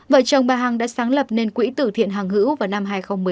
vợ chồng bà hằng đã sáng lập nên quỹ tử thiện hàng hữu vào năm hai nghìn một mươi năm